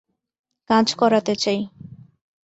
কাজ করাতে চাই।